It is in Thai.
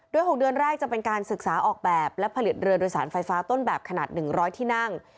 โดย๖เดือนแรกจะเป็นการศึกษาออกแบบและผลิตเรือโดยสารไฟฟ้าต้นแบบขนาด๑๐๐ที่นั่ง